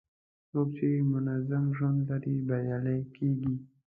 څوک چې منظم ژوند لري، بریالی کېږي.